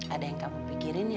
ada yang kamu pikirin ya